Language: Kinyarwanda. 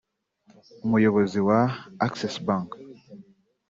Umuyobozi wa Access Bank